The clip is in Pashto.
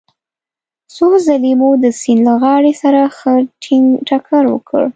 څو ځلې مو د سیند له غاړې سره ښه ټينګ ټکر وکړ.